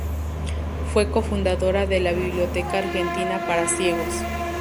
Fue cofundadora de la "Biblioteca Argentina para Ciegos".